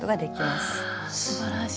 すばらしい。